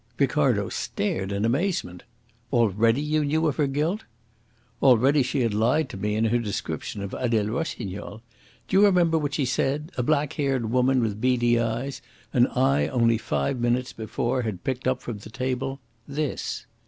Ricardo stared in amazement. "Already you knew of her guilt?" "Already she had lied to me in her description of Adele Rossignol. Do you remember what she said a black haired woman with beady eyes; and I only five minutes before had picked up from the table this."